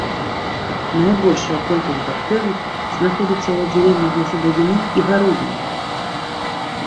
Найбольшая колькасць бактэрый знаходзіцца ў аддзяленнях для садавіны і гародніны.